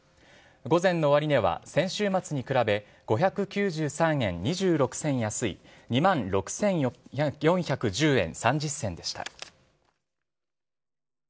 午前の終値は先週末に比べ、５９３円２６銭安い、２万６４１０円３０銭でした。